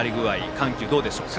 緩急いかがでしょうか。